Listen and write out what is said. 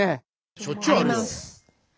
しょっちゅうあるよ。あります。